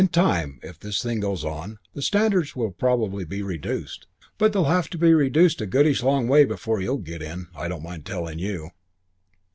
In time, if this thing goes on, the standards will probably be reduced. But they'll have to be reduced a goodish long way before you'll get in, I don't mind telling you."